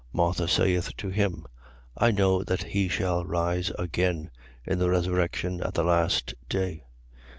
11:24. Martha saith to him: I know that he shall rise again, in the resurrection at the last day.